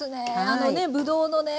あのねぶどうのね